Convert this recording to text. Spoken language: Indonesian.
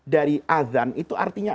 dari adhan itu artinya